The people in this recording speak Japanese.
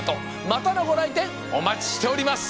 またのごらいてんおまちしております！